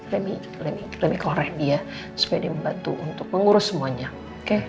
lebih korek dia supaya dia membantu untuk mengurus semuanya oke